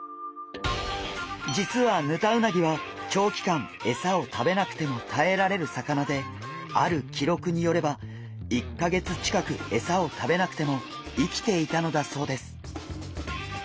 じつはヌタウナギは長期間エサを食べなくてもたえられる魚であるきろくによれば１か月近くエサを食べなくても生きていたのだそうです！